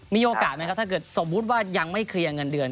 มีโอกาสไหมครับถ้าเกิดสมมุติว่ายังไม่เคลียร์เงินเดือน